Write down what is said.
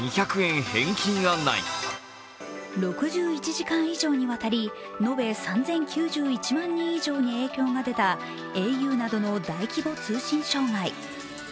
６１時間以上にわたり延べ３０９１万人以上に影響が出たａｕなどの大規模通信障害。